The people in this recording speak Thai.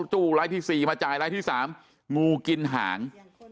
ตู้รายที่๔มาจ่ายรายที่๓งูกินหาง